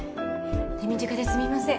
手短ですみません